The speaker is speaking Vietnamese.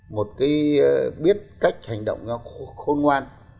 một cái biết cách hành động cho khôn ngoan